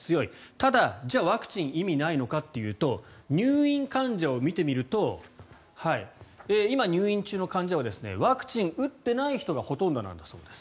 ただ、じゃあワクチンは意味がないのかというと入院患者を見てみると今、入院中の患者はワクチン打ってない人がほとんどなんだそうです。